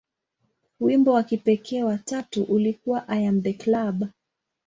Wimbo wa kipekee wa tatu ulikuwa "I Am The Club".